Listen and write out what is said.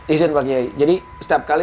izin pak kiai jadi setiap kali